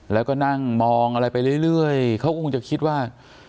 แล้วก็นั่งมองอะไรไปเรื่อยเขาก็คงจะคิดว่า